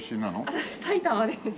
私埼玉です。